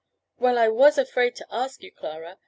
"Well, I was afraid to ask you, Clara.